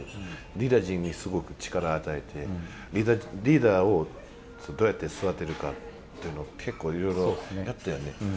リーダー陣にすごく力を与えてリーダーをどうやって育てるか。というのを結構いろいろやったよね。